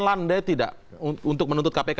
landai tidak untuk menuntut kpk